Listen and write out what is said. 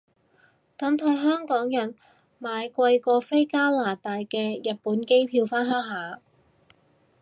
等睇香港人買貴過飛加拿大嘅日本機票返鄉下